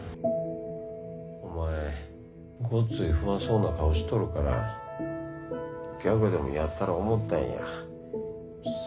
お前ごっつい不安そうな顔しとるからギャグでもやったろ思ったんや。